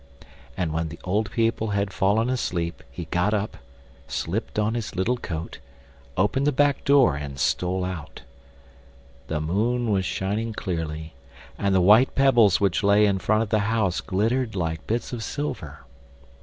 And when the old people had fallen asleep he got up, slipped on his little coat, opened the back door and stole out. The moon was shining clearly, and the white pebbles which lay in front of the house glittered like bits of silver.